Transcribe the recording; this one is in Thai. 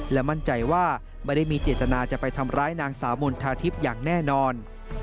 และมั่นใจว่าไม่ได้มีเจตนาจะไปทำร้ายนางสาวมณฑาทิพย์อย่างแน่นอน